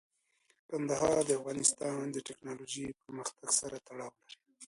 کندهار د افغانستان د تکنالوژۍ پرمختګ سره تړاو لري.